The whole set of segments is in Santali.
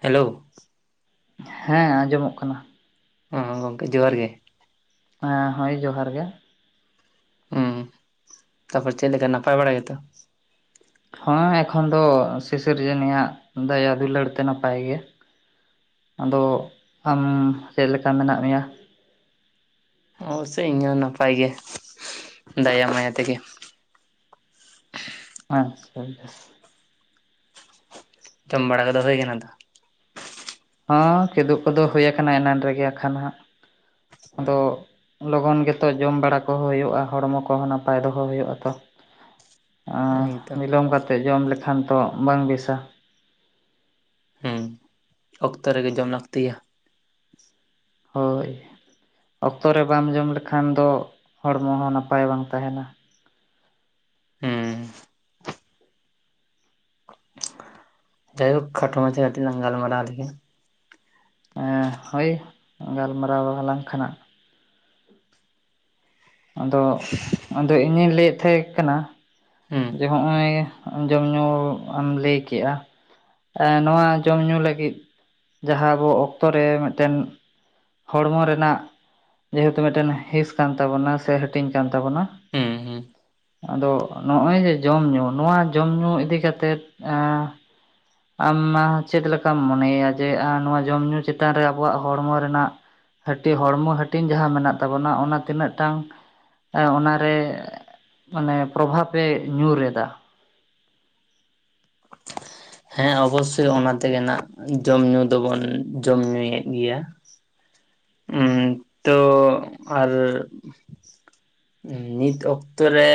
ᱦᱮᱞᱳ ᱦᱮᱸ ᱟᱸᱡᱚᱢᱚᱜ ᱠᱟᱱᱟ ᱦᱮᱸ ᱜᱚᱢᱠᱮ ᱡᱚᱦᱟᱨ ᱜᱮ᱾ ᱦᱮᱸ ᱦᱳᱭ ᱡᱚᱦᱟᱨ ᱜᱮ᱾ ᱦᱩᱸ ᱛᱟᱯᱚᱨ ᱪᱮᱫ ᱞᱮᱠᱟ ᱱᱟᱯᱟᱭ ᱵᱟᱲᱟ ᱜᱮᱛᱚ? ᱦᱮᱸ ᱮᱠᱷᱚᱱ ᱫᱚ ᱥᱤᱥᱤᱨᱡᱚᱱᱤᱭᱟᱜ ᱫᱟᱭᱟ ᱫᱩᱞᱟᱹᱲ ᱛᱮ ᱱᱟᱯᱟᱭ ᱜᱮ ᱟᱫᱚ ᱟᱢ ᱪᱮᱫ ᱞᱮᱠᱟ ᱢᱮᱱᱟᱜ ᱢᱮᱭᱟ ᱚᱵᱚᱥᱥᱚᱭ ᱤᱧ ᱦᱚᱸ ᱱᱟᱯᱟᱭ ᱜᱮ ᱫᱟᱭᱟ ᱢᱟᱭᱟ ᱛᱮᱜᱮ ᱦᱮᱸ ᱟᱪᱪᱷᱟ ᱡᱚᱢ ᱵᱟᱲᱟ ᱠᱟᱫᱚ ᱦᱩᱭ ᱠᱟᱱᱟ ᱛᱚ ᱦᱚᱸ ᱠᱮᱫᱳᱜ ᱠᱚᱫᱚ ᱦᱩᱭᱟᱠ ᱮᱱᱟᱱ ᱨᱮᱜᱮ ᱟᱠᱷᱟᱱ ᱦᱟᱜ ᱟᱫᱚ ᱞᱚᱜᱚᱱ ᱜᱮᱛᱚ ᱡᱚᱢ ᱵᱟᱲᱟ ᱠᱚᱦᱚ ᱦᱳᱭᱳᱜᱼᱟ ᱦᱚᱲᱢᱚ ᱠᱚᱦᱚᱸ ᱱᱟᱯᱟᱭ ᱫᱚᱦᱚ ᱦᱳᱭᱳᱜᱼᱟ ᱛᱚ ᱮᱠᱫᱚᱢ ᱵᱤᱞᱚᱢ ᱠᱟᱛᱮᱫ ᱡᱚᱢ ᱞᱮᱠᱷᱟᱱ ᱛᱚ ᱵᱟᱝ ᱵᱮᱥᱟ ᱦᱩᱸ ᱚᱠᱛᱚ ᱨᱮᱜᱮ ᱡᱚᱢ ᱞᱟᱹᱠᱛᱤᱭᱟ ᱦᱳᱭ ᱚᱠᱛᱚ ᱨᱮ ᱵᱟᱢ ᱡᱚᱢ ᱞᱮᱠᱷᱟᱱ ᱫᱚ ᱦᱚᱲᱢᱚ ᱦᱚᱸ ᱱᱟᱯᱟᱭ ᱵᱟᱝ ᱛᱟᱦᱮᱸᱱᱟ ᱦᱩᱸ ᱡᱟᱭ ᱦᱳᱠ ᱠᱷᱟᱴᱚ ᱢᱟᱪᱷᱟ ᱠᱟᱹᱴᱤᱡ ᱞᱟᱝ ᱜᱟᱞᱢᱟᱨᱟᱣ ᱞᱮ ᱜᱮ ᱮᱸᱜ ᱦᱳᱭ ᱜᱟᱞᱢᱟᱨᱟᱣ [unintelligible] ᱠᱷᱟᱱᱟᱜ ᱟᱫᱚ ᱟᱫᱚ ᱤᱧᱤᱧ ᱞᱟᱹᱭᱮᱫ ᱛᱟᱦᱮᱸ ᱠᱟᱱᱟ? ᱦᱩᱸ ᱡᱮ ᱦᱚᱸᱜᱼᱚᱭ ᱡᱚᱢ ᱧᱩ ᱮᱢ ᱞᱟᱹᱭ ᱠᱮᱜᱼᱟ ᱱᱚᱣᱟ ᱡᱚᱢ ᱧᱩ ᱞᱟᱹᱜᱤᱫ ᱡᱟᱦᱟᱸ ᱟᱵᱚ ᱚᱠᱛᱚ ᱨᱮ ᱢᱤᱫᱴᱮᱱ ᱦᱚᱲᱢᱚ ᱨᱮᱱᱟᱜ ᱡᱮᱦᱮᱛᱩ ᱢᱤᱫᱴᱮᱱ ᱦᱤᱸᱥ ᱠᱟᱱ ᱛᱟᱵᱚᱱᱟ ᱥᱮ ᱦᱟᱹᱴᱤᱧ ᱠᱟᱱ ᱛᱟᱵᱚᱱᱟ ᱦᱩᱸ ᱦᱩᱸ ᱟᱫᱚ ᱱᱚᱜᱼᱚᱭ ᱡᱮ ᱡᱚᱢ ᱧᱩ ᱱᱚᱣᱟ ᱡᱚᱢ ᱧᱩ ᱤᱫᱤ ᱠᱟᱛᱮᱫ ᱮᱸᱻ ᱟᱢ ᱪᱮᱫ ᱞᱮᱠᱟᱢ ᱢᱚᱱᱮᱭᱮᱭᱟ ᱡᱮ ᱱᱚᱣᱟ ᱡᱚᱢ ᱧᱩ ᱪᱮᱛᱟᱱ ᱨᱮ ᱟᱵᱚᱣᱟᱜ ᱦᱚᱲᱢᱚ ᱨᱮᱱᱟᱜ ᱦᱟᱹᱴᱤᱧ ᱦᱚᱲᱢᱚ ᱦᱟᱹᱴᱤᱧ ᱡᱟᱦᱟᱸ ᱢᱮᱱᱟᱜ ᱛᱟᱵᱚᱱᱟ ᱚᱱᱟ ᱛᱤᱱᱟᱹᱜ ᱴᱟᱝ ᱮᱸᱜ ᱚᱱᱟᱨᱮ ᱢᱟᱱᱮ ᱯᱨᱚᱵᱷᱟᱵᱮ ᱧᱩᱨ ᱮᱫᱟ ᱦᱮᱸ ᱚᱵᱚᱥᱥᱳᱭ ᱚᱱᱟ ᱛᱮᱜᱮ ᱱᱟᱜ ᱡᱚᱢ ᱧᱩ ᱫᱚᱵᱚᱱ ᱡᱚᱢ ᱧᱩᱭᱮᱫ ᱜᱮᱭᱟ ᱦ [inaudible] ᱛᱚ ᱟᱨ ᱱᱤᱛ ᱚᱠᱛᱚ ᱨᱮ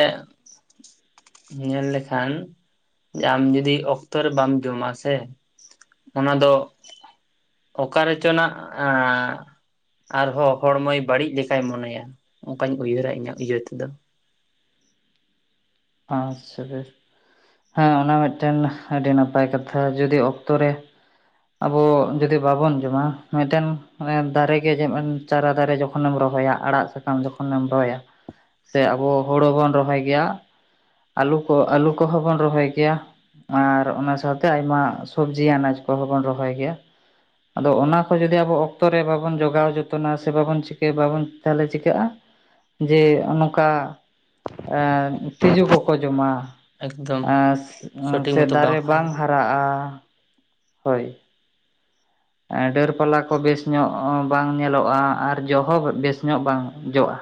ᱧᱮᱞ ᱞᱮᱠᱷᱟᱱ ᱟᱢ ᱡᱩᱫᱤ ᱚᱠᱛᱚ ᱨᱮ ᱵᱟᱢ ᱡᱚᱢᱟ ᱥᱮ ᱚᱱᱟ ᱫᱚ ᱚᱠᱟ ᱨᱮᱪᱚᱱᱟᱜ ᱟᱨᱦᱚᱸ ᱦᱚᱲᱢᱚᱭ ᱵᱟᱹᱲᱤᱡ ᱞᱮᱠᱟᱭ ᱢᱚᱱᱮᱭᱟ ᱚᱱᱠᱟᱧ ᱩᱭᱦᱟᱹᱨᱟ ᱤᱧᱟᱹᱜ ᱤᱭᱟᱹ ᱛᱮᱫᱚ᱾ ᱟᱪᱪᱷᱟ ᱵᱮᱥ ᱦᱮᱸ ᱚᱱᱟ ᱢᱤᱫᱴᱮᱱ ᱟᱹᱰᱤ ᱱᱟᱯᱟᱭ ᱠᱟᱛᱷᱟ ᱡᱩᱫᱤ ᱚᱠᱛᱚ ᱨᱮ ᱟᱵᱚ ᱡᱩᱫᱤ ᱵᱟᱵᱚᱱ ᱡᱚᱢᱟ ᱢᱤᱫᱴᱮᱱ ᱫᱟᱨᱮᱜᱮᱜᱮ [inaudible] ᱡᱮᱢ ᱪᱟᱨᱟ ᱫᱟᱨᱮ ᱡᱚᱠᱷᱚᱱᱮᱢ ᱨᱚᱦᱚᱭᱟ ᱟᱲᱟᱜ ᱥᱟᱠᱟᱢ ᱡᱚᱠᱷᱚᱱᱮᱢ ᱨᱚᱦᱚᱭᱟ ᱥᱮ ᱟᱵᱚ ᱦᱩᱲᱩᱵᱚᱱ ᱨᱚᱦᱚᱭ ᱜᱮᱭᱟ ᱟᱹᱞᱩ ᱠᱚ ᱟᱹᱞᱩ ᱠᱚᱦᱚᱸ ᱵᱚᱱ ᱨᱚᱦᱚᱭ ᱜᱮᱭᱟ ᱟᱨ ᱚᱱᱟ ᱥᱟᱶᱛᱮ ᱟᱭᱢᱟ ᱥᱚᱵᱡᱤ ᱟᱱᱟᱡ ᱠᱚᱦᱚᱸ ᱵᱚᱱ ᱨᱚᱦᱚᱭ ᱜᱮᱭᱟ ᱟᱫᱚ ᱚᱱᱟ ᱠᱚ ᱡᱩᱚᱫᱤ ᱟᱵᱚ ᱚᱠᱛᱚ ᱨᱮ ᱵᱟᱵᱚᱱ ᱡᱚᱜᱟᱣ ᱡᱚᱛᱚᱱᱟ ᱥᱮ ᱵᱟᱵᱚᱱ ᱪᱤᱠᱟᱹ ᱵᱟᱵᱚᱱ ᱛᱟᱦᱚᱞᱮ ᱪᱤᱠᱟᱹᱜᱼᱟ ᱡᱮ ᱱᱚᱝᱠᱟ ᱮ ᱛᱤᱡᱩ ᱠᱚᱠᱚ ᱡᱚᱢᱟ ᱮᱠᱫᱚᱢ ᱥᱚᱴᱷᱤᱠ ᱥᱮ ᱢᱚᱛᱚ ᱫᱟᱨᱮ ᱵᱟᱝ ᱦᱩᱭᱩᱜ᱾ ᱦᱟᱨᱟᱜᱼᱟ ᱦᱳᱭ ᱰᱟᱹᱨ ᱯᱟᱞᱟ ᱠᱚ ᱵᱮᱥ ᱧᱚᱜ ᱵᱟᱝ ᱧᱮᱞᱚᱜᱼᱟ ᱟᱨ ᱡᱚᱜ ᱦᱚᱸ ᱵᱮᱥ ᱧᱚᱜ ᱵᱟᱝ ᱡᱚᱜᱼᱟ,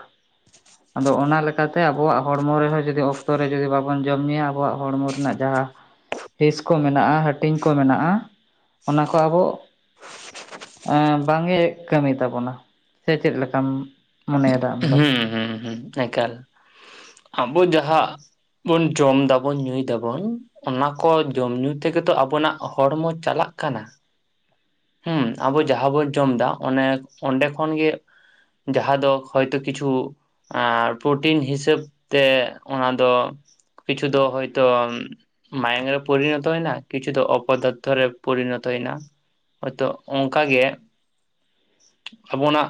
ᱟᱫᱚ ᱚᱱᱟ ᱞᱮᱠᱟᱛᱮ ᱟᱵᱚᱣᱟᱜ ᱦᱚᱲᱢᱚ ᱨᱮᱦᱚᱸ ᱡᱩᱫᱤ ᱚᱠᱛᱚ ᱨᱮ ᱡᱩᱫᱤ ᱵᱟᱵᱚᱱ ᱡᱚᱢ ᱧᱩᱭᱟ ᱟᱵᱚᱣᱟᱜ ᱦᱚᱲᱢᱚ ᱨᱮᱱᱟᱜ ᱡᱟᱦᱟᱸ ᱦᱤᱸᱥ ᱠᱚ ᱢᱮᱱᱟᱜᱼᱟ ᱦᱟᱹᱴᱤᱧ ᱠᱚ ᱢᱮᱱᱟᱜᱼᱟ ᱚᱱᱟ ᱠᱚ ᱟᱵᱚ ᱵᱟᱝᱜᱮ ᱠᱟᱹᱢᱤ ᱛᱟᱵᱚᱱᱟ ᱥᱮ ᱪᱮᱫ ᱞᱮᱠᱟᱢ ᱢᱚᱱᱮᱭᱮᱫᱟ ᱟᱢ ᱫᱚ? ᱦᱩᱸ ᱦᱩᱸ ᱮᱠᱟᱞ ᱟᱵᱚ ᱡᱟᱦᱟᱸ ᱵᱚᱱ ᱡᱚᱢ ᱫᱟᱵᱚᱱ ᱧᱩᱭ ᱫᱟᱵᱚᱱ ᱚᱱᱟ ᱠᱚ ᱡᱚᱢ ᱧᱩ ᱛᱮᱜᱮᱛᱚ ᱟᱵᱚᱱᱟᱜ ᱦᱚᱲᱢᱚ ᱪᱟᱞᱟᱜ ᱠᱟᱱᱟ ᱦᱮᱸ ᱟᱵᱚ ᱡᱟᱦᱟᱸ ᱵᱚᱱ ᱡᱚᱢ ᱮᱫᱟ ᱚᱱᱮ ᱚᱸᱰᱮ ᱠᱷᱚᱱᱜᱮ ᱡᱟᱦᱟᱸ ᱫᱚ ᱦᱚᱭᱛᱳ ᱠᱤᱪᱷᱩ ᱟᱨ ᱯᱨᱚᱴᱤᱱ ᱦᱤᱥᱟᱹᱵ ᱛᱮ ᱚᱱᱟ ᱫᱚ ᱠᱤᱪᱷᱩ ᱫᱚ ᱦᱚᱭᱛᱳ ᱢᱟᱭᱟᱝ ᱨᱮ ᱯᱚᱨᱤᱱᱚᱛ ᱦᱩᱭᱱᱟ ᱠᱪᱩ ᱫᱚ ᱚᱯᱚᱫᱟᱨᱷ [unintelligible] ᱨᱮ ᱯᱚᱨᱤᱱᱚᱛ ᱦᱩᱭᱱ. ᱟ᱾ [unintelligible] ᱦᱚᱳᱭᱛᱚ ᱚᱱᱠᱟᱜ ᱜᱮ ᱟᱵᱚᱱᱟᱜ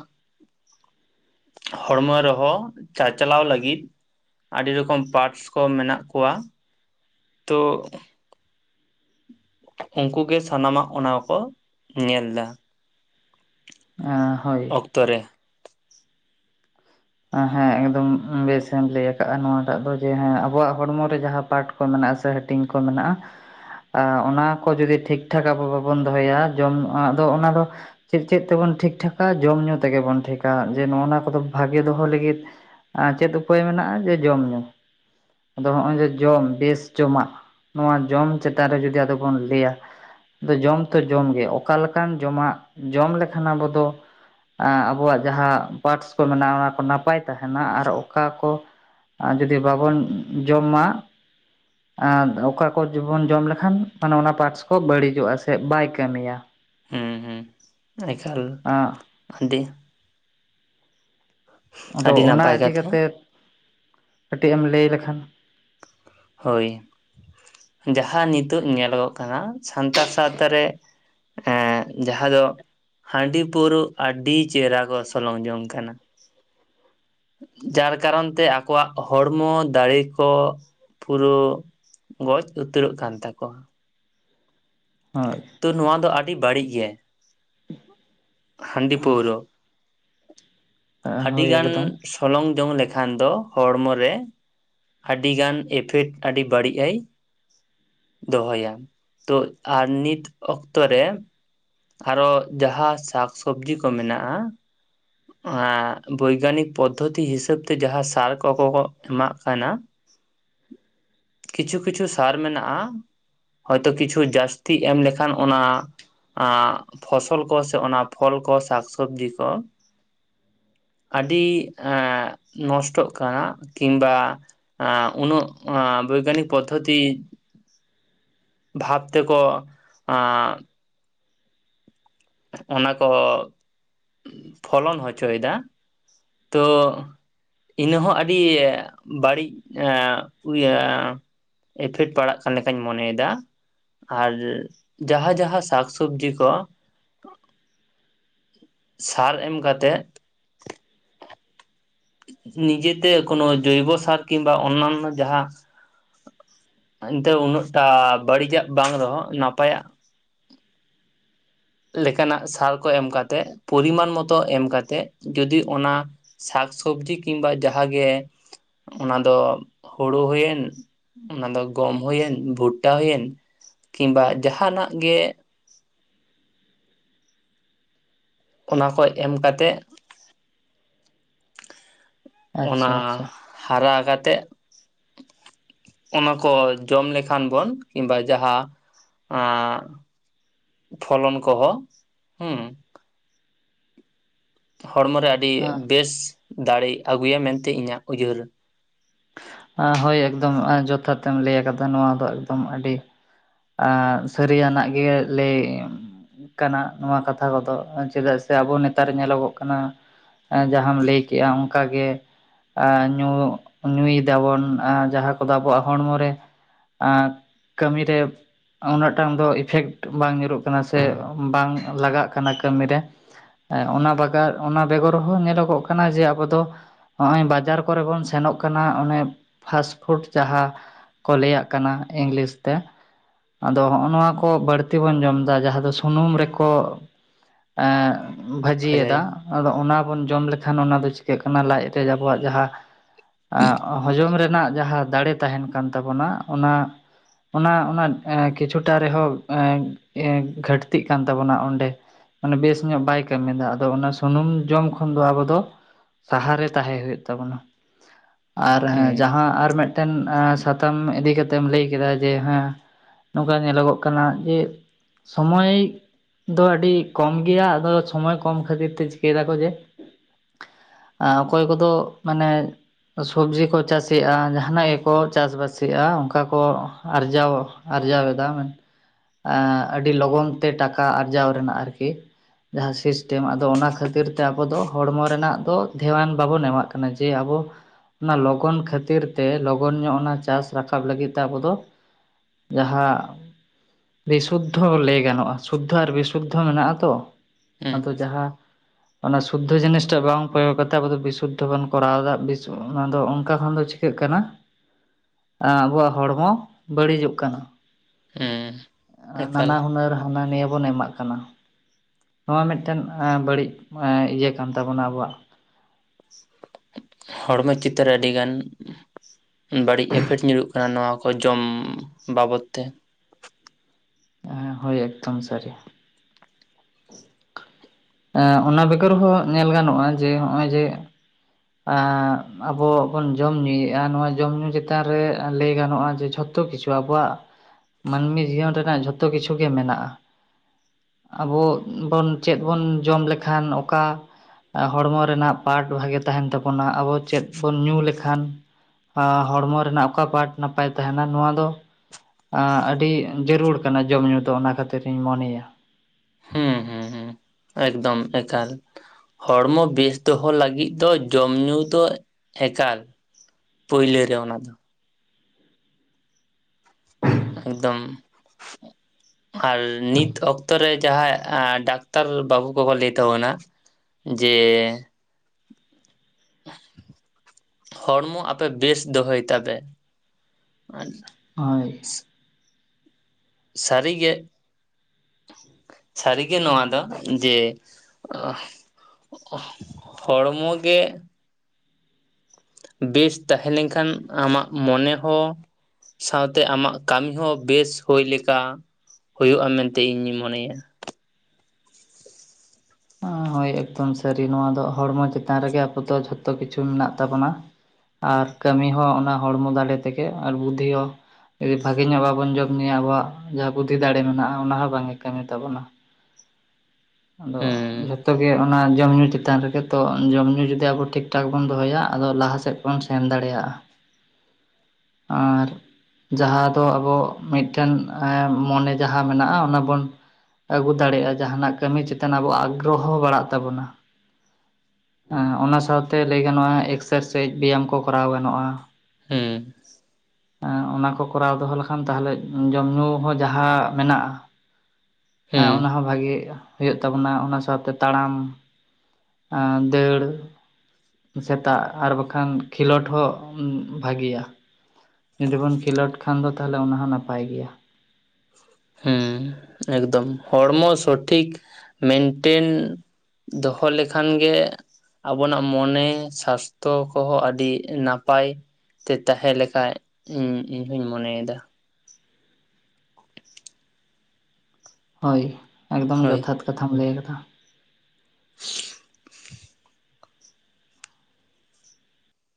ᱦᱚᱲᱢᱚ ᱨᱮᱦᱚᱸ ᱪᱟᱪᱟᱞᱟᱣ ᱞᱟᱹᱜᱤᱫ ᱟᱹᱰᱤ ᱨᱚᱠᱚᱢ ᱯᱟᱴᱥ ᱠᱚ ᱢᱮᱱᱟᱜ ᱠᱚᱣᱟ ᱛᱚ ᱩᱱᱠᱩᱜ ᱜᱮ ᱥᱟᱱᱟᱢᱟᱜ ᱚᱱᱟᱠᱚ ᱧᱮᱞ ᱮᱫᱟ ᱮᱸ ᱦᱳᱭ [unintelligible] ᱨᱮ ᱦᱮᱸ ᱮᱠᱫᱚᱢ ᱵᱮᱥᱮᱢ ᱞᱟᱹᱭ ᱟᱠᱟᱟᱜᱼᱟ ᱱᱚᱣᱟᱴᱟᱜ ᱫᱚ ᱡᱮ ᱦᱮᱸ ᱟᱵᱚᱣᱟᱜ ᱦᱚᱲᱢᱚᱨ ᱨᱮ ᱡᱟᱦᱟᱸ ᱯᱟᱴ ᱠᱚ ᱢᱮᱱᱟᱜᱼᱟ ᱥᱮ ᱦᱟᱹᱴᱤᱧ ᱠᱚ ᱢᱮᱱᱟᱜᱼᱟ ᱚᱱᱟ ᱠᱚ ᱡᱩᱫᱤ ᱴᱷᱤᱠᱼᱴᱷᱟᱠ ᱟᱵᱚ ᱵᱟᱵᱚᱱ ᱫᱚᱦᱚᱭᱟ ᱡᱚᱢ ᱫᱚ ᱚᱱᱟ ᱫᱚ ᱪᱮᱫ ᱪᱮᱫ ᱛᱮᱵᱚᱱ ᱴᱷᱤᱠ ᱴᱷᱟᱠᱟ ᱡᱚᱢ ᱧᱩ ᱛᱮᱜᱮ ᱵᱚᱱ ᱴᱷᱤᱠᱟ ᱡᱮ ᱱᱚᱜ ᱱᱚᱣᱟ ᱠᱚᱫᱚ ᱵᱷᱟᱜᱮ ᱜᱮ ᱫᱚᱦᱚ ᱞᱟᱹᱜᱤᱫ ᱪᱮᱫ ᱩᱯᱟᱹᱭ ᱢᱮᱱᱟᱜᱼᱟ ᱡᱮ ᱡᱚᱢ ᱧᱩ ᱟᱫᱚ ᱦᱚᱜᱼᱚᱭ ᱡᱮ ᱡᱚᱢ ᱵᱮᱥ ᱡᱚᱢᱟᱜ ᱱᱚᱣᱟ ᱡᱚᱢ ᱪᱮᱛᱟᱱ ᱨᱮ ᱡᱩᱫᱤ ᱟᱫᱚ ᱵᱚᱱ ᱞᱟᱹᱭᱟ ᱡᱚᱢ ᱛᱚ ᱡᱚᱢᱜᱮ ᱚᱠᱟ ᱞᱮᱠᱟᱱ ᱡᱚᱢᱟᱜ ᱡᱚᱢ ᱞᱮᱠᱷᱟᱱ ᱟᱵᱚ ᱫᱚ ᱟᱵᱚᱣᱟᱜ ᱡᱟᱦᱟᱸ ᱯᱟᱴᱥ ᱠᱚ ᱢᱮᱱᱟᱜᱼᱟ ᱚᱱᱟ ᱱᱟᱯᱟᱭ ᱛᱟᱦᱮᱱᱟ ᱟᱨ ᱚᱠᱟ ᱠᱚ ᱡᱩᱫᱤ ᱵᱟᱵᱚᱱ ᱡᱚᱢᱟ ᱟᱫ ᱚᱠᱟ ᱠᱚᱵᱚᱱ ᱡᱚᱢ ᱞᱮᱠᱷᱟᱱ ᱢᱟᱱᱮ ᱚᱱᱟ ᱯᱟᱴᱥ ᱠᱚ ᱵᱟᱹᱲᱤᱡᱚᱜᱼᱟ ᱥᱮ ᱵᱟᱭ ᱠᱟᱹᱢᱤᱭᱟ ᱦᱩᱸ ᱦᱩᱸ ᱮᱠᱟᱞ [unintelligible] ᱟᱫᱚ ᱟᱹᱰᱤ ᱚᱱᱟ ᱱᱟᱯᱟᱭ ᱤᱫᱤ ᱠᱟᱛᱷᱟ ᱠᱟᱛᱮᱮᱫ ᱠᱟᱹᱴᱤᱡ ᱮᱢ ᱞᱟᱹᱭ ᱞᱮᱠᱷᱟᱱ ᱦᱳᱭ ᱡᱟᱦᱟᱸ ᱱᱤᱛᱚᱜ ᱧᱮᱞᱚᱜᱚᱜ ᱠᱟᱱᱟ ᱥᱟᱱᱛᱟᱲ ᱥᱟᱶᱛᱟ ᱨᱮ ᱦᱮᱸ ᱡᱟᱦᱟᱸ ᱫᱚ ᱦᱟᱺᱰᱤ ᱯᱟᱹᱣᱨᱟᱹ ᱟᱹᱰᱤ ᱪᱮᱦᱨᱟ ᱠᱚ ᱥᱚᱞᱚᱝ ᱡᱚᱝ ᱠᱟᱱᱟ ᱡᱟᱨ ᱠᱟᱨᱚᱱ ᱛᱮ ᱟᱠᱚᱣᱟᱜ ᱦᱚᱲᱢᱚ ᱫᱟᱲᱮ ᱠᱚ ᱯᱩᱨᱟᱹ ᱜᱚᱡ ᱩᱛᱟᱹᱨᱚᱜ ᱠᱟᱱ ᱛᱟᱠᱚᱣᱟ ᱦᱳᱭ ᱛᱚ ᱱᱚᱣᱟ ᱫᱚ ᱟᱹᱰᱤ ᱵᱟᱹᱲᱤᱡ ᱜᱮ ᱦᱰᱤ ᱯᱟᱹᱣᱨᱟᱹ ᱦᱳᱭ ᱟᱹᱰᱤᱜᱟᱱ ᱮᱠᱫᱚᱢ ᱥᱚᱞᱚᱝ ᱡᱚᱝ ᱞᱮᱠᱷᱟᱱ ᱫᱚ ᱦᱚᱲᱢᱚ ᱨᱮ᱾ ᱟᱹᱰᱤ ᱜᱟᱱ ᱤᱯᱷᱮᱠᱴ ᱟᱹᱰᱤ ᱵᱟᱹᱲᱤᱡᱽ ᱟᱭ ᱫᱚᱦᱚᱭᱟ ᱛᱚ ᱟᱨ ᱱᱤᱛ ᱚᱠᱛᱚ ᱨᱮ ᱟᱨᱚ ᱡᱟᱦᱟᱸ ᱥᱟᱠ ᱥᱚᱵᱡᱤ ᱠᱚ ᱢᱮᱱᱟᱜᱼᱟ ᱣᱟ ᱵᱳᱭᱜᱟᱱᱤᱠ ᱯᱚᱫᱽᱫᱷᱚᱛᱤ ᱦᱤᱥᱟᱹᱵ ᱛᱮ ᱡᱟᱦᱟᱸ ᱥᱟᱨ ᱠᱚᱠᱚ ᱮᱢᱟᱜ ᱠᱟᱱᱟ ᱠᱤᱪᱷᱩ ᱠᱤᱪᱷᱩ ᱥᱟᱨ ᱢᱮᱱᱟᱜᱼᱟ ᱦᱚᱭᱛᱳ ᱠᱤᱪᱷᱩ ᱡᱟᱥᱛᱤ ᱮᱢ ᱞᱮᱠᱷᱟᱱ ᱚᱱᱟ ᱟᱜ ᱯᱷᱚᱥᱚᱞ ᱠᱚ ᱥᱮ ᱚᱱᱟ ᱯᱷᱚᱞ ᱠᱚ ᱥᱟᱠᱥᱚᱵᱡᱤ ᱠᱚ ᱟᱹᱰᱤ ᱱᱚᱥᱴᱚᱜ ᱠᱟᱱᱟ ᱠᱤᱢᱵᱟ ᱟ ᱩᱱᱱᱟᱹᱜ ᱟ ᱵᱳᱭᱜᱜᱟᱱᱤᱠ ᱯᱚᱫᱽᱫᱷᱚᱛᱤ ᱵᱷᱟᱵᱽ ᱛᱮᱠᱚ ᱟ ᱚᱱᱟ ᱠᱚ ᱯᱷᱚᱞᱚᱱ ᱦᱚᱪᱚᱭᱮᱫᱟ ᱛᱚ ᱤᱱᱟᱹ ᱦᱚᱸ ᱟᱹᱰᱤ ᱵᱟᱹᱲᱤᱡ [unintelligible] ᱤᱯᱷᱮᱠᱴ ᱯᱟᱲᱟᱜ ᱠᱟᱱ ᱞᱮᱠᱟᱧ ᱢᱚᱱᱮᱭᱮᱫᱟ᱾ ᱟᱨ ᱡᱟᱦᱟᱸ ᱡᱟᱦᱟᱸ ᱥᱟᱠ ᱥᱚᱵᱽᱡᱤ ᱠᱚ ᱥᱟᱨ ᱮᱢ ᱠᱟᱛᱮᱫ ᱱᱤᱡᱮ ᱛᱮ ᱠᱳᱱᱳ ᱡᱚᱭᱵ ᱥᱟᱨ ᱠᱤᱵᱟ ᱚᱱᱟᱱᱱᱚ ᱡᱟᱦᱟᱸ ᱮᱱᱛᱮ ᱩᱱᱟᱹᱜ ᱴᱟ ᱵᱟᱹᱲᱤᱡᱟᱜ ᱵᱟᱝ ᱨᱮᱦᱚᱸ ᱱᱟᱯᱟᱭᱟᱜ ᱞᱮᱠᱟᱱᱟᱜ ᱥᱟᱨ ᱠᱚ ᱮᱢ ᱠᱟᱛᱮᱜ ᱯᱚᱨᱤᱢᱟᱱ ᱢᱚᱛᱚ ᱮᱢ ᱠᱟᱛᱮᱜ ᱡᱚᱫᱤ ᱚᱱᱟ ᱥᱟᱠ ᱥᱚᱵᱡᱤ ᱠᱤᱢᱵᱟ ᱡᱟᱦᱟᱸᱜᱮ ᱚᱱᱟ ᱫᱚ ᱦᱩᱲᱩ ᱦᱩᱭᱮᱱ ᱚᱱᱟ ᱫᱚ ᱜᱚᱢ ᱦᱩᱭᱮᱱ ᱵᱷᱩᱴᱴᱟ ᱦᱩᱭᱮᱱ ᱠᱤᱢᱵᱟ ᱡᱟᱦᱟᱱᱟᱜ ᱜᱮ ᱚᱱᱟ ᱠᱚ ᱮᱢ ᱠᱟᱛᱮ ᱚᱱᱟ ᱟᱪᱪᱷᱟ ᱟᱪᱪᱷᱟ ᱦᱟᱨᱟ ᱠᱟᱛᱮᱜ ᱚᱱᱟ ᱠᱚ ᱡᱚᱢ ᱞᱮᱠᱷᱟᱱ ᱵᱚᱱ ᱠᱤᱢᱵᱟ ᱡᱟᱦᱟ ᱟᱜ ᱯᱷᱚᱞᱚᱱ ᱠᱚ ᱦᱮᱸ᱾ ᱦᱚᱲᱢᱚᱮ ᱟᱹᱰᱤ ᱵᱮᱥ ᱫᱟᱲᱮ ᱟᱹᱜᱩᱭᱟ ᱢᱮᱱᱛᱮ ᱤᱧᱟᱹᱜ ᱩᱭᱦᱟᱹᱨ ᱟ ᱦᱳᱭ ᱮᱠᱫᱚᱢ ᱡᱚᱛᱷᱟᱛ ᱛᱮᱢ ᱞᱟᱹᱭ ᱟᱠᱟᱫᱟ ᱱᱚᱣᱟ ᱫᱚ ᱮᱠᱫᱚᱢ ᱟᱹᱰᱤ ᱥᱟᱹᱨᱤᱭᱟᱱᱟᱜ ᱜᱮᱞᱟᱹᱭ ᱠᱟᱱᱟ ᱱᱚᱣᱟ ᱠᱟᱛᱷᱟ ᱠᱚᱫᱚ ᱪᱮᱫᱟᱜ ᱥᱮ ᱟᱵᱚ ᱱᱮᱛᱟᱨ ᱧᱮᱞᱚᱜᱚᱜ ᱠᱟᱱᱟ᱾ ᱡᱟᱦᱟᱸᱢ ᱞᱟᱹᱭ ᱠᱮᱫᱮᱜᱼᱟ ᱚᱱᱠᱟᱟᱜ ᱜᱮ ᱧᱩ ᱧᱩᱭ ᱡᱟᱦᱟᱸ ᱵᱚᱱ ᱡᱟᱦᱟ ᱠᱚ ᱫᱚ ᱟᱵᱚᱣᱟᱜ ᱦᱚᱲᱢᱚ ᱨᱮ ᱠᱟᱹᱢᱤ ᱨᱮ᱾ ᱩᱱᱟᱹᱜ ᱴᱟᱱ ᱫᱚ ᱤᱯᱷᱮᱠᱴ ᱵᱟᱝ ᱧᱩᱨᱩᱜ ᱠᱟᱱᱟ ᱥᱮ ᱵᱟᱝ ᱞᱟᱜᱟᱜ ᱠᱟᱱᱟ ᱠᱟᱹᱢᱤ ᱨᱮ ᱦᱸ ᱚᱱᱟ ᱵᱟᱜᱟᱨ ᱚᱱᱟ ᱵᱮᱜᱚᱨ ᱦᱚᱸ ᱧᱮᱞᱚᱜᱚᱜ ᱠᱟᱱᱟ ᱡᱮ ᱟᱵᱚ ᱫᱚ ᱱᱚᱜ ᱚᱚᱭ ᱵᱟᱡᱟᱨ ᱠᱚᱨᱮ ᱵᱚᱱ ᱥᱮᱱᱚᱜ ᱠᱟᱱᱟ ᱚᱱᱮ ᱯᱷᱟᱥ ᱯᱷᱩᱰ ᱡᱟᱦᱟᱸ ᱠᱚ ᱞᱟᱹᱭᱟᱜ ᱠᱟᱱᱟ ᱤᱝᱞᱤᱥ ᱛᱮ᱾ ᱟᱫᱚ ᱦᱚᱜᱼᱚ ᱱᱚᱣᱟ ᱠᱚ ᱵᱟᱹᱲᱛᱤ ᱵᱚᱱ ᱡᱚᱢ ᱮᱫᱟ ᱡᱟᱦᱟᱸ ᱫᱚ ᱥᱩᱱᱩᱢ ᱨᱮ ᱠᱚ ᱮᱸ ᱵᱷᱟᱹᱡᱤ ᱭᱮᱫᱟ ᱵᱷᱟᱡᱟᱭᱟ ᱟᱫᱚ ᱚᱱᱟ ᱵᱚᱱ ᱡᱚᱢ ᱞᱮᱠᱷᱟᱱ ᱚᱱᱟ ᱫᱚ ᱪᱤᱠᱟᱹᱜ ᱠᱟᱱᱟ ᱞᱟᱡ ᱨᱮ ᱟᱵᱚᱣᱟᱜ ᱡᱟᱦᱟᱸ ᱦᱚᱡᱚᱢ ᱨᱮᱱᱟᱜ ᱡᱟᱦᱟᱸ ᱫᱟᱲᱮ ᱛᱟᱦᱮᱱ ᱠᱟᱱ ᱛᱟᱵᱚᱱᱟ ᱚᱱᱟ ᱚᱱᱟ ᱚᱱᱟ ᱠᱤᱪᱷᱩᱴᱟ ᱨᱮᱦᱚᱸ ᱜᱷᱟᱹᱴᱛᱤᱜ ᱠᱟᱱ ᱛᱟᱵᱚᱱᱟ ᱚᱸᱰᱮ ᱢᱟᱱᱮ ᱵᱮᱥ ᱧᱚᱜ ᱵᱟᱭ ᱠᱟᱹᱢᱤᱭ ᱫᱟ ᱟᱫᱚ ᱚᱱᱟ ᱥᱩᱱᱩᱢ ᱡᱚᱢ ᱠᱷᱚᱱ ᱫᱚ ᱟᱵᱚ ᱫᱚ ᱥᱟᱦᱟᱨ ᱨᱮ ᱛᱟᱦᱮᱸ ᱦᱩᱭᱩᱜ ᱛᱟᱵᱚᱱᱟ ᱟᱨ ᱦᱩᱸ ᱦᱮᱸ ᱡᱟᱦᱟᱸ ᱟᱨ ᱢᱤᱫᱴᱮᱱ ᱥᱟᱛᱟᱢ ᱤᱫᱤ ᱠᱟᱛᱮᱢ ᱞᱟᱹᱭ ᱠᱮᱫᱟ ᱡᱮ ᱦᱮᱸ ᱱᱚᱝᱠᱟ ᱧᱮᱞᱚᱜᱚᱜ ᱠᱟᱱᱟ ᱡᱮ᱾ ᱥᱚᱢᱚᱭ ᱫᱚ ᱟᱹᱰᱤ ᱠᱚᱢ ᱜᱮᱭᱟ ᱟᱫᱚ ᱥᱚᱢᱚᱭ ᱠᱚᱢ ᱠᱷᱟᱹᱛᱤᱨ ᱛᱮ ᱪᱤᱠᱟᱹᱭ ᱫᱟᱠᱚ ᱡᱮ᱾ ᱚᱠᱚᱭ ᱠᱚ ᱫᱚ ᱢᱟᱱᱮ ᱥᱚᱵᱽᱡᱤ ᱠᱚ ᱪᱟᱥᱮᱫᱼᱟ ᱡᱟᱦᱟᱱᱟᱜ ᱜᱮᱠᱚ ᱪᱟᱥᱵᱟᱥᱮᱜᱼᱟ ᱚᱱᱠᱟ ᱠᱚ ᱟᱨᱡᱟᱣ ᱟᱨᱡᱟᱣ ᱮᱫᱟ ᱟᱻ ᱟᱹᱰᱤ ᱞᱚᱜᱚᱱ ᱛᱮ ᱴᱟᱠᱟ ᱟᱨᱡᱟᱣ ᱨᱮᱱᱟᱜ ᱟᱨᱠᱤ ᱡᱟᱦᱟᱸ ᱥᱤᱥᱴᱮᱢ ᱟᱫᱚ ᱚᱱᱟ ᱠᱷᱟᱹᱛᱤᱨ ᱛᱮ ᱟᱵᱚ ᱫᱚ ᱦᱚᱲᱢᱚ ᱨᱮᱱᱟᱜ ᱫᱚ ᱫᱷᱮᱭᱟᱱ ᱵᱟᱵᱚᱱ ᱮᱢᱟᱜ ᱠᱟᱱᱟ ᱡᱮ ᱟᱵᱚ ᱚᱱᱟ ᱞᱚᱜᱚᱱ ᱠᱷᱟᱹᱛᱤᱨ ᱛᱮ ᱞᱚᱜᱚᱱ ᱧᱚᱜ ᱚᱱᱟ ᱪᱟᱥ ᱨᱟᱠᱟᱵ ᱞᱟᱹᱜᱤᱫ ᱛᱮ ᱟᱵᱚ ᱫᱚ ᱡᱟᱦᱟᱸ ᱵᱤᱥᱩᱫᱽᱫᱷᱚ ᱞᱟᱹᱭ ᱜᱟᱱᱚᱜᱼᱟ ᱥᱩᱫᱽᱫᱷᱚ ᱟᱨ ᱵᱤᱥᱩᱫᱽᱫᱷᱚ ᱢᱮᱱᱟᱜ ᱟ ᱛᱚ ᱦᱩᱸ ᱟᱫᱚ ᱡᱟᱦᱟᱸ ᱚᱱᱟ ᱥᱩᱫᱽᱫᱷᱚ ᱡᱤᱱᱤᱥ ᱴᱟᱜ ᱵᱟᱝ ᱠᱚᱭᱚᱜ ᱠᱟᱛᱮ ᱟᱵᱚ ᱫᱚ ᱵᱤᱥᱩᱫᱽᱫᱷᱚ ᱵᱚᱱ ᱠᱚᱨᱟᱣ ᱮᱫᱟ ᱵᱤᱥᱩ ᱚᱱᱟ ᱫᱚ ᱚᱱᱠᱟ ᱠᱷᱚᱱ ᱫᱚ ᱪᱤᱠᱟᱹᱜ ᱠᱟᱱᱟ ᱟᱸ ᱟᱵᱚᱣᱟᱜ ᱦᱚᱲᱢᱚ ᱵᱟᱹᱲᱤᱡᱚᱜ ᱠᱟᱱᱟ ᱦᱮᱸ ᱱᱟᱱᱟ ᱦᱩᱱᱟᱹᱨ ᱦᱟᱱᱟ ᱱᱤᱭᱟᱹ ᱵᱚᱱ ᱮᱢᱟᱜ ᱠᱟᱱᱟ ᱱᱚᱣᱟ ᱢᱤᱫᱴᱮᱱ ᱵᱟᱹᱲᱤᱡ ᱤᱭᱟᱹ ᱠᱟᱱ ᱛᱟᱵᱚᱱᱟ ᱟᱵᱚᱣᱟᱜ ᱦᱚᱲᱢᱚ ᱪᱤᱛᱟᱹᱨ ᱨᱮ ᱟᱹᱰᱤᱜᱟᱱ ᱵᱟᱹᱲᱤᱡ ᱤᱯᱷᱮᱠᱴ ᱧᱩᱨᱩᱜ ᱠᱟᱱᱟ ᱱᱚᱣᱟ ᱠᱚ ᱡᱚᱢ ᱵᱟᱵᱚᱛ ᱛᱮ ᱦᱮᱸ ᱦᱳᱭ ᱮᱠᱫᱚᱢ ᱥᱟᱹᱨᱤ ᱮᱸ ᱚᱱᱟ ᱵᱮᱜᱚᱨ ᱦᱚᱸ ᱧᱮᱞ ᱜᱟᱱᱚᱜᱼᱟ ᱡᱮ ᱱᱚᱜᱼᱚᱭ ᱡᱮ ᱟᱵᱚ ᱵᱚᱱ ᱡᱚᱢ ᱧᱩᱭᱮᱫᱼᱟ ᱱᱚᱣᱟ ᱡᱚᱢ ᱧᱩ ᱪᱮᱛᱟᱱ ᱨᱮ ᱞᱟᱹᱭ ᱜᱟᱱᱚᱜᱼᱟ ᱡᱮ ᱡᱷᱚᱛᱚ ᱡᱚᱛᱚ ᱠᱤᱪᱷᱩ ᱟᱵᱚᱣᱟᱜ ᱢᱟᱹᱱᱢᱤ ᱡᱤᱭᱚᱱ ᱨᱮᱱᱟᱜ ᱡᱷᱚᱛᱚ ᱠᱤᱪᱷᱩ ᱜᱮ ᱢᱮᱱᱟᱜᱼᱟ ᱟᱵᱚ ᱵᱚᱱ ᱪᱮᱫ ᱵᱚᱱ ᱡᱚᱢ ᱞᱮᱠᱷᱟᱱ ᱚᱠᱟ ᱦᱚᱲᱢᱚ ᱨᱮᱱᱟᱜ ᱯᱟᱴ ᱵᱷᱟᱜᱮ ᱛᱟᱦᱮᱱ ᱛᱟᱵᱚᱱᱟ ᱟᱵᱚ ᱪᱮᱫ ᱵᱚᱱ ᱧᱩ ᱞᱮᱠᱷᱟᱱ ᱟᱻ ᱦᱚᱲᱢᱚ ᱨᱮᱱᱟᱜ ᱚᱠᱟ ᱯᱟᱴ ᱱᱟᱯᱟᱭ ᱛᱟᱦᱮᱱᱟ ᱱᱚᱣᱟ ᱫᱚ ᱟᱻ ᱟᱹᱰᱤ ᱡᱟᱹᱨᱩᱲ ᱠᱟᱱᱟ ᱡᱚᱢ ᱧᱩᱩ ᱫᱚ ᱚᱱᱟ ᱠᱷᱟᱹᱛᱤᱨ ᱤᱧ ᱢᱚᱱᱮᱭᱟ ᱦᱩᱸ ᱦᱩᱸ ᱦᱩᱸ ᱮᱠᱫᱚᱢ ᱮᱠᱟᱞ ᱦᱚᱲᱢᱚ ᱵᱮᱥ ᱫᱚᱦᱚ ᱞᱟᱹᱜᱤᱫ ᱫᱚ ᱡᱚᱢ ᱧᱩ ᱫᱚ ᱮᱠᱟᱞ ᱯᱟᱹᱭᱞᱳ ᱨᱮ ᱚᱱᱟ ᱫᱚ ᱮᱠᱫᱚᱢ ᱟᱨ ᱱᱤᱛ ᱚᱠᱛᱚᱨᱮ ᱡᱟᱦᱟᱸᱭ ᱰᱟᱠᱛᱟᱨ ᱵᱟᱹᱵᱩ ᱠᱚᱼᱠᱚ ᱞᱟᱹᱭ ᱛᱟᱵᱚᱱᱟ ᱡᱮᱻ ᱦᱚᱲᱢᱚ ᱟᱯᱮ ᱵᱮᱥ ᱫᱚᱦᱚᱭ ᱛᱟᱵᱮᱱ ᱦᱳᱭ ᱥᱟᱹᱨᱤ ᱜᱮ ᱥᱟᱹᱨᱤ ᱜᱮ ᱱᱚᱣᱟ ᱫᱚ ᱡᱮ [unintelligible] [unintelligible] ᱦᱚᱲᱢᱚ ᱜᱮ ᱵᱮᱥ ᱛᱟᱦᱮᱸ ᱞᱮᱱᱠᱷᱟᱱ ᱟᱢᱟᱜ ᱢᱚᱱᱮ ᱦᱚᱸ ᱥᱟᱶᱛᱮ ᱟᱢᱟᱜ ᱠᱟᱹᱢᱤ ᱦᱚᱸ ᱵᱮᱥ ᱦᱳᱭ ᱞᱮᱠᱟ ᱦᱳᱭᱳᱜᱼᱟ ᱢᱮᱱᱛᱮ ᱤᱧᱤᱧ ᱢᱚᱱᱮᱭᱟ ᱦᱳᱭ ᱮᱠᱫᱚᱢ ᱥᱟᱹᱨᱤ ᱱᱚᱣᱟ ᱫᱚ ᱦᱚᱲᱢᱚ ᱪᱮᱛᱟᱱ ᱨᱮᱜᱮ ᱟᱵᱚ ᱫᱚ ᱡᱷᱚᱛᱚ ᱠᱤᱪᱷᱩ ᱢᱮᱱᱟᱜ ᱛᱟᱵᱚᱱᱟ! ᱟᱨ ᱠᱟᱹᱢᱤ ᱦᱚᱸ ᱚᱱᱟ ᱦᱚᱲᱢᱚ ᱫᱟᱲᱮ ᱛᱮᱜᱮ ᱟᱨ ᱵᱩᱫᱽᱫᱷᱤ ᱦᱚᱸ ᱡᱩᱫᱤ ᱵᱷᱟᱜᱮ ᱧᱚᱜ ᱵᱟᱵᱚᱱ ᱡᱚᱢᱼᱧᱩᱩᱭᱟ ᱟᱵᱚᱣᱟᱜ ᱡᱟᱦᱟᱸ ᱵᱩᱫᱷᱤ ᱫᱟᱲᱮ ᱢᱮᱱᱟᱜᱼᱟ ᱚᱱᱟ ᱦᱚᱸ ᱵᱟᱝ ᱮ ᱠᱟᱹᱢᱤ ᱛᱟᱵᱚᱱᱟ ᱟᱫᱚ ᱦᱩᱸ ᱡᱚᱛᱚ ᱜᱮ ᱚᱱᱟ ᱡᱚᱢ ᱧᱩᱩ ᱪᱮᱛᱟᱱ ᱨᱮᱜᱮ ᱛᱚ ᱡᱚᱢ ᱧᱩᱩ ᱡᱩᱫᱤ ᱟᱵᱚ ᱴᱷᱤᱠᱼᱴᱷᱟᱠ ᱵᱚᱱ ᱫᱚᱦᱚᱭᱟ ᱟᱫᱚ ᱞᱟᱦᱟ ᱥᱮᱫ ᱵᱚᱱ ᱥᱮᱱ ᱫᱟᱲᱮᱭᱟᱜᱼᱟ ᱟᱨ ᱡᱟᱦᱟᱸ ᱫᱚ ᱟᱵᱚ ᱢᱤᱫᱴᱮᱱ [unintelligible] ᱢᱚᱱᱮ ᱡᱟᱦᱟᱸ ᱢᱮᱱᱟᱜᱼᱟ ᱚᱱᱟ ᱵᱚᱱ ᱟᱹᱜᱩ ᱫᱟᱲᱮᱜᱼᱟ ᱡᱟᱦᱟ ᱱᱟᱜ ᱠᱟᱹᱢᱤ ᱪᱮᱛᱟᱱ ᱟᱵᱚᱣᱟᱜ ᱟᱜᱽᱜᱨᱚᱦᱚ ᱵᱟᱲᱟᱜ ᱛᱟᱵᱚᱱᱟ ᱟᱸ ᱚᱱᱟ ᱥᱟᱶᱛᱮ ᱞᱟᱹᱭ ᱜᱟᱱᱚᱜᱼᱟ ᱮᱠᱥᱟᱨᱥᱟᱭᱤᱡ ᱵᱮᱭᱟᱢ ᱠᱚ ᱠᱚᱨᱟᱣ ᱜᱟᱱᱚᱜᱼᱟ ᱦᱩᱸ ᱟᱸ ᱚᱱᱟ ᱠᱚ ᱠᱚᱨᱟᱣ ᱫᱚᱦᱚ ᱞᱮᱠᱷᱟᱱ ᱛᱟᱦᱚᱞᱮ ᱡᱚᱢ ᱧᱩ ᱦᱚᱸ ᱡᱟᱦᱟ ᱢᱮᱱᱟᱜᱼᱟ ᱦᱩᱸ ᱮᱸᱜ ᱱᱟᱦᱚᱸ ᱵᱷᱟᱜᱮ ᱦᱳᱭᱳᱜ ᱛᱟᱵᱚᱱᱟ ᱚᱱᱟ ᱥᱟᱶᱛᱮ ᱛᱟᱲᱟᱢ ᱟᱸ ᱫᱟᱹᱲ ᱥᱮᱛᱟᱜ ᱟᱨ ᱵᱟᱠᱷᱟᱱ ᱠᱷᱮᱞᱳᱰ ᱦᱚᱸ ᱵᱷᱟᱜᱮᱭᱟ ᱡᱩᱫᱤ ᱵᱚᱱ ᱠᱷᱮᱞᱳᱰ ᱠᱷᱟᱱ ᱫᱚ ᱛᱟᱦᱞᱮ ᱚᱱᱟ ᱦᱚᱸ ᱱᱟᱯᱟᱭ ᱜᱮᱭᱟ ᱦᱩᱸ ᱮᱠᱫᱚᱢ ᱦᱚᱲᱢᱚ ᱥᱚᱴᱷᱤᱠ ᱢᱮᱱᱴᱮᱱ ᱫᱚᱦᱚ ᱞᱮᱠᱷᱟᱱ ᱜᱮ ᱟᱵᱚᱱᱟᱜ ᱢᱚᱱᱮ ᱥᱟᱥᱛᱚ ᱠᱚᱦᱚᱸ ᱟᱹᱰᱤ ᱱᱟᱯᱟᱭ ᱛᱮ ᱛᱟᱦᱮᱸ ᱞᱮᱠᱟ ᱤᱧ, ᱤᱧ ᱦᱚᱧ ᱢᱚᱱᱮᱭᱫᱟ ᱦᱳᱭ, ᱮᱠᱫᱚᱢ ᱦᱳᱭ ᱡᱚᱛᱷᱟᱛ ᱠᱟᱛᱷᱟᱢ ᱞᱟᱹᱭ ᱠᱟᱫᱟ